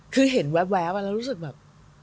คือเห็นแว๊บแล้วรู้สึกแบบ